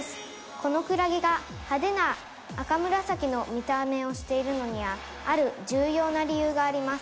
「このクラゲが派手な赤紫の見た目をしているのにはある重要な理由があります」